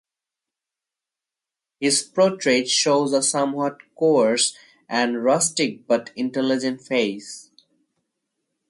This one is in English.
His portrait shows a somewhat coarse and rustic but intelligent face.